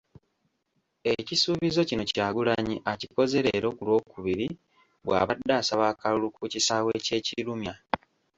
Ekisuubizo kino Kyagulanyi akikoze leero ku Lwookubiri bw'abadde asaba akalulu ku kisaawe ky'e Kirumya.